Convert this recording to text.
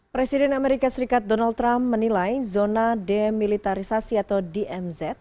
presiden amerika serikat donald trump menilai zona demilitarisasi atau dmz